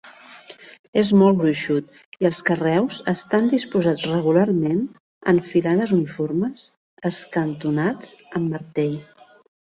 És molt gruixut, i els carreus estan disposats regularment en filades uniformes, escantonats amb martell.